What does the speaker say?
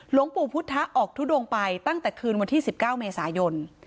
หลวงปู่พุทธะออกทุดงไปตั้งแต่คืนวันที่๑๙เมษายน